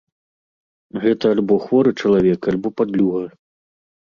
Гэта альбо хворы чалавек, альбо падлюга.